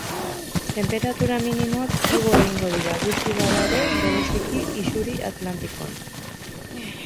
Tenperatura minimoak igo egingo dira, gutxi bada ere, bereziki isuri atlantikoan.